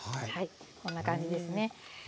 はいこんな感じですね。